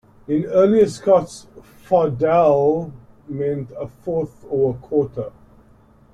In earlier Scots "fardell" meant a fourth or quarter.